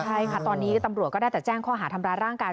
ใช่ค่ะตอนนี้ตำรวจก็ได้แต่แจ้งข้อหาทำร้ายร่างกาย